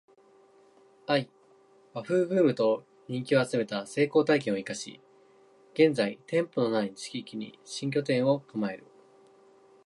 ⅰ 和食ブームと人気を集めた成功体験を活かし現在店舗の無い地域に新店舗を構える